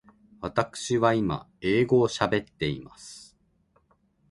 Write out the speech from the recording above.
わたくしは今英語を喋っています。